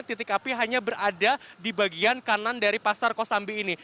titik api hanya berada di bagian kanan dari pasar kosambi ini